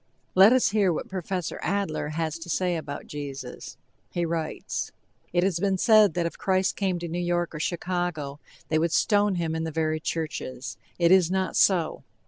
Let us hear what Professor Adler has to say about Jesus. He writes: It has been said that if Christ came to New York or Chicago, they would stone him in the very churches. It is not so!